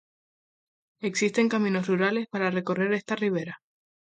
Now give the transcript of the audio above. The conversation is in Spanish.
Existen caminos rurales para recorrer esta ribera.